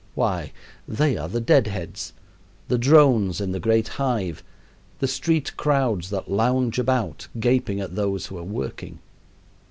Why, they are the deadheads, the drones in the great hive, the street crowds that lounge about, gaping at those who are working.